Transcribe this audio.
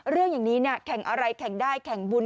เรื่องอย่างนี้แข่งอะไรแข่งได้แข่งบุญ